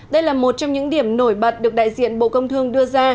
đây là một trong những điểm nổi bật được đại diện bộ công thương đưa ra